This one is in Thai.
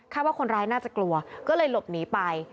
ว่าคนร้ายน่าจะกลัวก็เลยหลบหนีไป